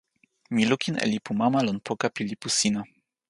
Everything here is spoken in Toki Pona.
mi lukin e lipu mama lon poka pi lipu sina.